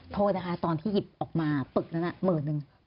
โทษนะคะตอนที่หยิบออกมาปึกนั้นหมื่นนึง